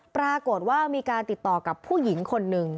ปรากฏว่ามีการติดต่อกับผู้หญิงคนหนึ่ง